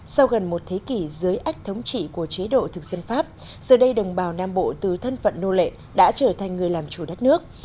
sau gần một thế kỷ dưới ách thống trị của chế độ thực dân pháp giờ đây đồng bào nam bộ từ thân phận nô lệ đã trở thành người làm chủ đất nước